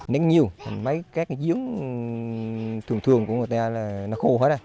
nắng nhiều mấy cái giếng thường thường của người ta là nó khô hết